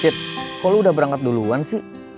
cid kok lo udah berangkat duluan sih